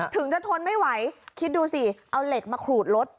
ถึงจะทนไม่ไหวคิดดูสิเอาเหล็กมาขูดรถ